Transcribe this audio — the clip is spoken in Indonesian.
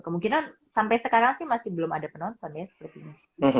kemungkinan sampai sekarang sih masih belum ada penonton ya seperti ini